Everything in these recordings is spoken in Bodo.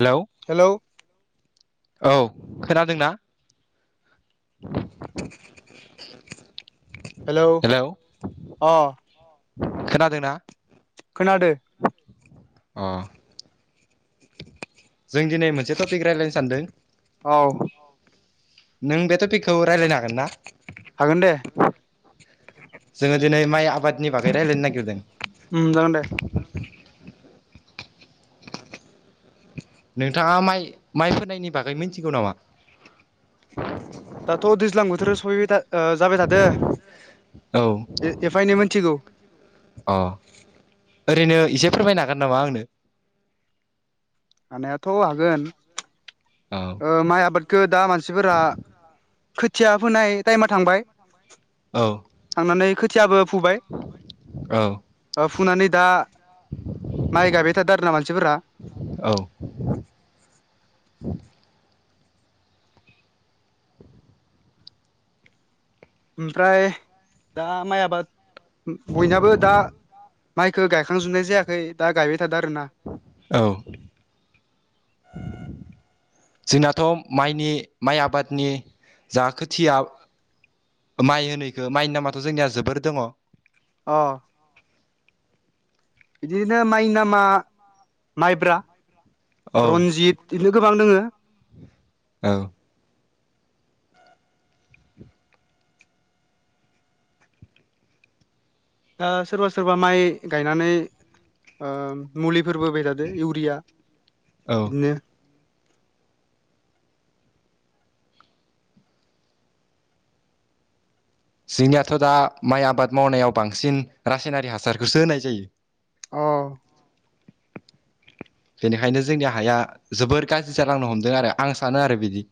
हेल'औ हेलौ औ खोनादोंना? [inaudible] हेलौ अ खोनादों ना? खोनादो। अ जों दिनै मोनसे टपिक रायलायनो सानदो। औ नों बे टपिकखौ रायज्लायनो हागोन ना? हागोन दे जोङो दिनै माइ आबादनि बागै रायलायनो नागिरदों। उम जागोन दे। नोंथाङा माइ माइ फोनायनि बागै मिथिगौ नामा? दाथ' दैज्लां बोथोर सफैबाय थ जाबाय थादो औ एफा एनै मिथिगौ। अ ओरैनो इसे फोरमायनो हागोन नामा आंनो? हानायाथ' हागोन। औ माइ आबादखौ दा मानसिफोरा खोथिया फोनाय टाइमा थांबाय। औ थांनानै खोथियाबो फुबाय। औ फुनानै दा माइ गाबबाय थादों आरो ना मानसिफोरा। औ ओमफ्राय दा माइ आबाद बयनाबो दा माइखौ गायखांजोबनाय जायाखै दा गायबाय थादों आरो ना। औ जोंनाथ' माइनि माइ आबादनि जा खोथिया माइ होनो बेखो माइनि नामाथ' जोंनिया जोबोर दङ। अ बिदिनो माइ नामा माइब्रा औ रनजित बिदिनो गोबां दोङो औ दा सोरबा सोरबा माइ गायनानै ओ मुलिफोरबो बिराद इउरिया औ बिदिनो जोंनियाथ' दा माइ आबाद मावनायाव बांसिन रासायनारि हासारखौसो होनाय जायो। अ बेनिखायनो जोंनि हाया जोबोर गाज्रि जालांनो हमदों आरो आं सानो आरो बिदि।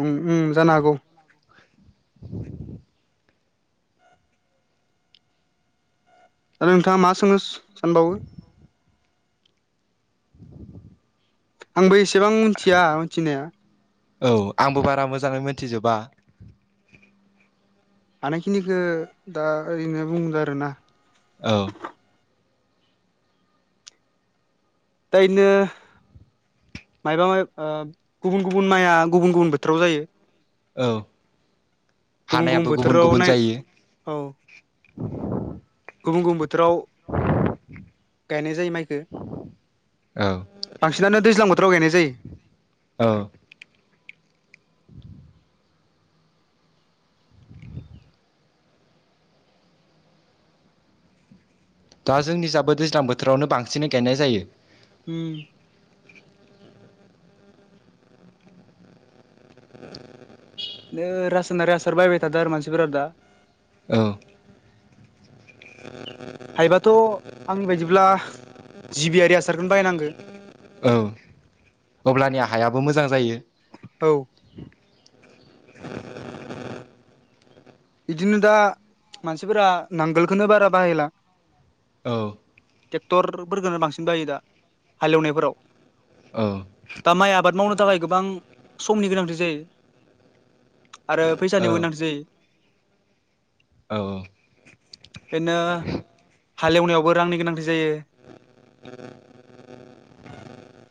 ओं ओम जानो हागौ दा नोंथाङा मा सोंनो सानबावो? आंबो एसेबां मिनथिया मिनथिनाया। औ आंबो बारा मोजाङै मिनथिजोबा। हानायखिनिखौ दा ओरैनो बुंदो आरो ना। औ दा‌ बिदिनो मायबा माइ ओ गुबुन गुबुन माइआ गुबुन गुबुन बोथोराव जायो। औ गुबुन हानायाबो गुबुन बोथोराव गुबुन नाय जायो। औ गुबुन गुबुन बोथोराव गायनाय जायो माइखौ औ बांसिनानो दैज्लां बोथोराव गायनाय जायो औ दा जोंनि जाबो दैज्लां बोथोरावनो बांसिनै गायनाय जायो। उम। [inaudible] नो राजसयनारि हासार बायबाय थादो आरो मानसिफोर दा। औ हायोबाथ' आंनि बायदिब्ला जिबियारि आसारखौनो बायनांगौ। औ अब्लानिया हायाबो मोजां जायो। औ बिदिनो दा मानसिफोरा नांगोलखौनो बारा बाहायला औ ट्रेक्टरफोरखौनो बांसिन बायो दा हालेवनायफोराव। औ दा माइ आबाद मावनो थाखाय गोबां समनि गोनांथि जायो। आरो औ फैसानिबो गोनांथि जायो। औ औ बेदिनो हालेवनायावबो रांनि गोनांथि जायो। [inaudible]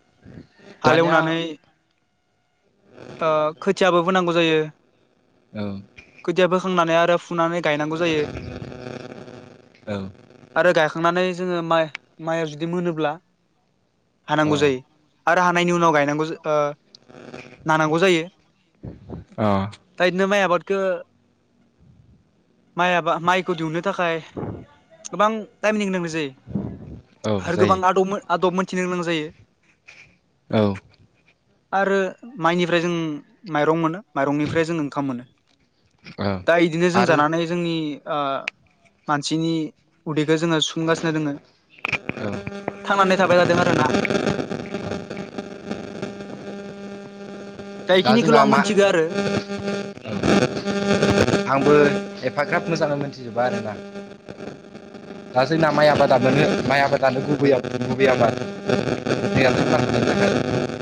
दानिया हालेवनानै ओ खोथियाबो फोनांगौ जायो। औ खोदिया बोखांनानै आरो फुनानै गायनांगौ जायो। औ आरो गायखांनानै जोङो माइ माइआ जुदि मोनोब्ला अ हानांगौ जायो आरो हानायनि उनाव गायनांगौ ओ नानांगौ जायो अ दा बिदिनो माइ आबादखौ माइ आबा माइखौ दिहुननो थाखाय गोबां टाइमनि गोनांथि जायो। औ आरो गोबां जायो आदब आदब मोनथिनो गोनां जायो। औ आरो माइनिफ्राय जों माइरं मोनो माइरंनिफ्राय जों ओंखाम मोनो। औ दा इदिनो जों आरो जानानै जोंनि ओ मानसिनि उदैखौ जोङो सुफुंगासिनो दोङो। औ थांनानै थाबाय जादों आरो ना। दा जोंना इखिनिखौल' आं मा मोनथिगो आरो आंबो एफाग्राब मोजांङै मिथिजुबा आरोना। [inaudible] दा जोंना माइ आबादाबानो माइ आबादानो गुबै गुबै आबाद मैया [unintelligible] थाखाय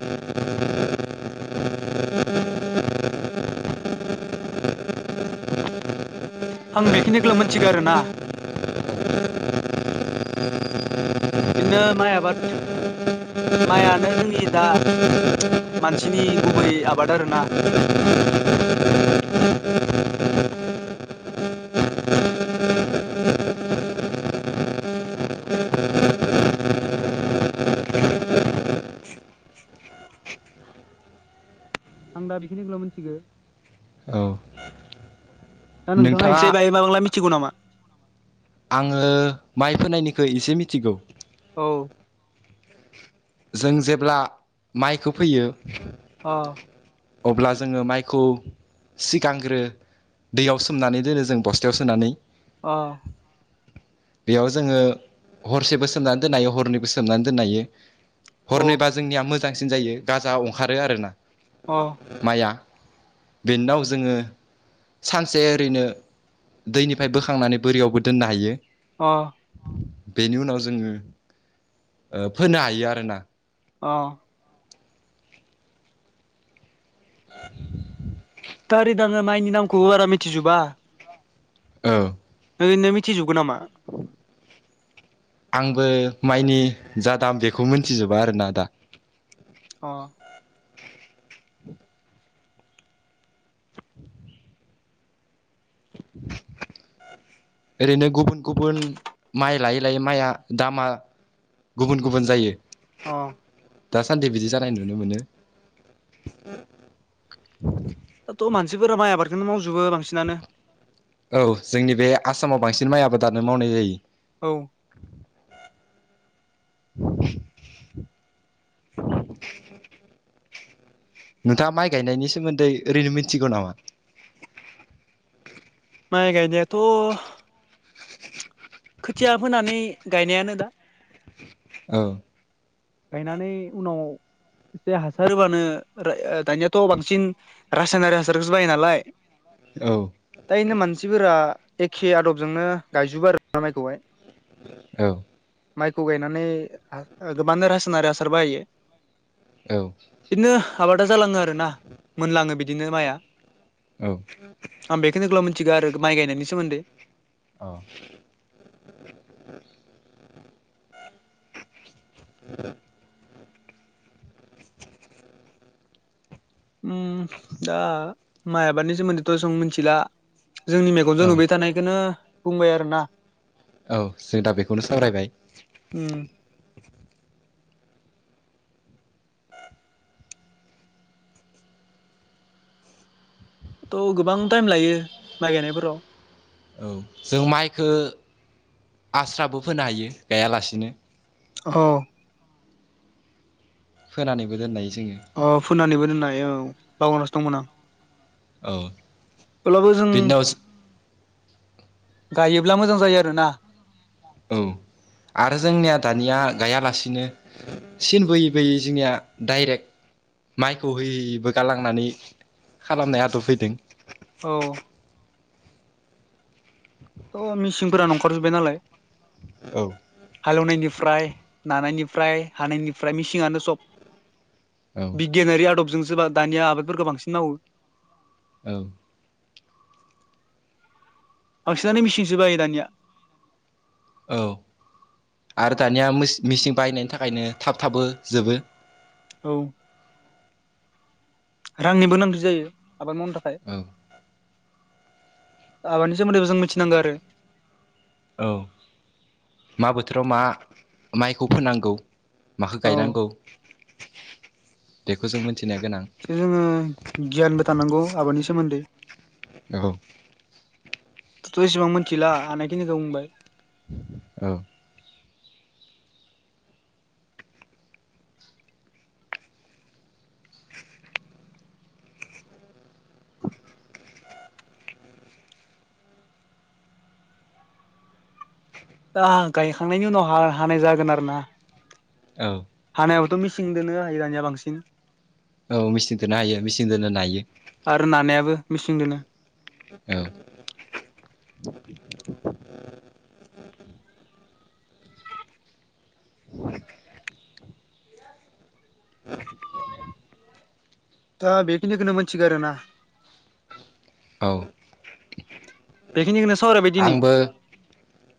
आं बेखिनिखौल' मिथिगौ आरो ना। बिदिनो माइ आबाद। माइआनो जोंनि दा मानसिनि गुबै आबाद आरो ना। आं दा बेखिनिखौल' मिथिगो। औ दा नोंथाङा एसे बायाबां मिथिगौ नामा? आङो माइ फोनायनिखौ एसे मिथिगौ। औ जों जेब्ला माइखो फोयो अ अब्ला जोङो माइखौ सिगांग्रो दैयाव सोमनानै दोनो जों बस्थायाव सोनानै। अ बेयाव जोङो हरसेबो सोमनानै दोननो हायो हरनैबो सोमनानै दोननो हायो। औ हरनैबा जोंनिया मोजांसिन जायो गाजा ओंखारो आरोना। अ माया बेनाव जोङो सानसे ओरैनो दैनिफ्राय बोखांनानै बोरियावबो दोननो हायो। अ बेनि उनाव जोङो फोनो हायो आरोना। अ [unintelligible] दारि दाआङो माइनि नामखौबो बारा मिथिजोबा। औ ओरैनो मिथिजोबगोन नामा? आंबो माइनि जा दाम बेखौ मोनथिजोबा आरोना दा। अ [inaudible] ओरैनो गुबुन गुबुन माइ लायै लायै माइया दामा गुबुन गुबुन जायो। अ दासान्दि बिदि जानाय नुनो मोनो। दाथ' मानसिफोरा माइ आबादखौनो मावजोबो बांसिनानो। औ जोंनि बे आसामाव बांसिन माइ आबादानानो मावनाय जायो। औ नोंथाङा माइ गायनायनि सोमोन्दै ओरैनो मिथिगौ नामा? माइ गायनायाथ' खोथिया फोनानै गायनायानो दा। औ गायनानै उनाव एसे हासार होबानो दानियाथ' बांसिन रासायनारि हासारखौसो बायो नालाय। औ दानो इनो मानसिफोरा एखे आदबजोंनो गायजोबो आरो माइखौहाय। औ माइखौ गायनानै गोबांनो रासनारि हासार बाहायो। औ बिदिनो आबादा जालाङो आरो ना मोनलाङो बिदिनो माइआ। औ आं बेखौनोब्ला मोनन्थिगौ आरो माइ गायनायनि सोमोन्दै। औ उ दा माइ आबादनि सोमोन्दैथ' सों मिथिला। जोंनि मेगनजों औ नुबाय थानायखौनो बुंबाय आरो ना। औ जों दा बेखौनो सावरायबाय। उम। थ' गोबां टाइम लायो माइ गायनायफोराव। औ जों माइखो आस्राबो फोनो हायो गायालासिनो। औ फोनानैबो दोननाय जोङो अ फुननानैबो दोननाय औ बावनासो दंमोन आं। औ अब्लाबो जों। बिनि उनाव गायोब्ला मोजां जायो आरो ना। औ आरो जोंनिया दानिया गायालासिनो। सिन बोयै बोयै जोंनिया डाइरेक्ट माइखौ हैबो गालांनानै खालामनाय आदब फैदों। औ। थ' मिसिनफोरान ओंखारजोबबाय नालाय। औ। हालेवनायनिफ्राय नानायनिफ्राय हानायनिफ्राय मेसिंयानो सब। औ बिगियानारि आदबजों सो दानिया आबादफोरखौ बांसिन मावो। औ बांसिनानो मिसिंसो बाहायो दानिया। औ आरो दानिया मेचिन बायनायनि थाखायनो थाब थाबो जोबो। औ। रांनिबो गोनांथि जायो आबाद मावनो थाखाय। औ आबादनि सोमोन्दै जों मिथिनांगौ आरो। औ मा बोथोराव मा माइखौ फोनांगौ माखौ औ गायनांगौ बेखौ जों मिथिनो गोनां। एसे जोङो गियानबो थानांगौ आबादनि सोमोन्दै। औ आंथ एसेबां मिनथिला हानायखिनिखौ बुंबाय। औ दा गायखांनायनि उनाव हानाय जागोन आरो ना। औ हानायाबोथ' मिसिं दोनो हायो दानिया बांसिन। औ मेसिन दोनो हायो मेचिन दोनो नायो। आरो नानायाबो मिसिंजोंनो। औ। [inaudible] ओ दा बेखिनिखौनो मोनथिगौ आरोना। औ बेखिनिखोनो सावरायबाय। दिनै आंबो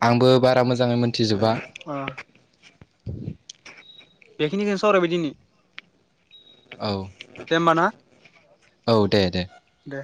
आंबो बारा मोजाङै मोनथिजोबा। अ बेखिनिखौनो सावरायबाय दिनै। औ दे होमबा ना औ दे दे दे